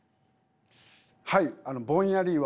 はいぼんやりは。